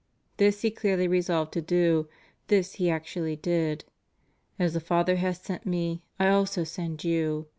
This He clearly resolved to do: this He actually did. As the Father hath sent Me, I also send you?